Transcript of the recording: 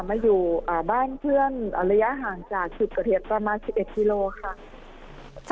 มาอยู่บ้านเพื่อนระยะห่างจาก๑๐กระเทศประมาณ๑๑กิโลกรัมค่ะ